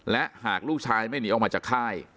และหากลูกชายไม่หนีออกมาจากค่าย